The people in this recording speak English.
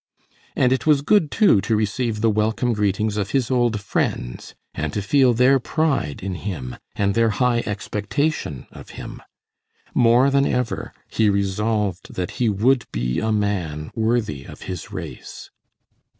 And it was good, too, to receive the welcome greetings of his old friends and to feel their pride in him and their high expectation of him. More than ever, he resolved that he would be a man worthy of his race.